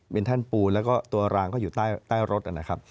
มีแท่นปูนแล้วก็ตัวรางก็อยู่ใต้รถนั่นนะครับ